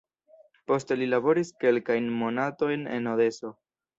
Poste li laboris kelkajn monatojn en Odeso.